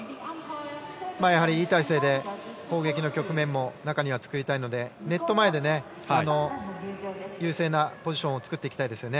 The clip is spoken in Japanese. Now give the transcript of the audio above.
いい体勢で攻撃の局面も中には作りたいのでネット前で優勢なポジションを作っていきたいですよね。